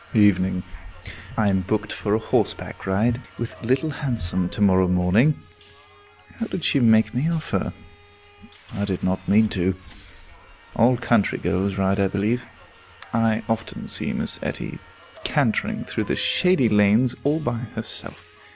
Evening. I am booked for a horseback ride with Little Handsome to morrow morning. How did she make me offer? I did not mean to. All country girls ride, I believe. I often see Miss Etty cantering through the shady lanes all by herself.